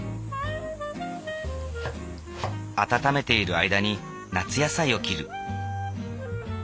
温めている間に夏野菜を切る。